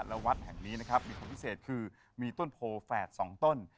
และวัดแห่งนี้นะครับมีความพิเศษคือมีต้นโพแฝดสองต้น